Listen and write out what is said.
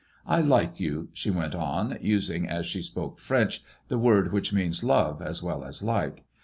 I like you," ••she went on, using, as she spoke French, the word which means love as well as like.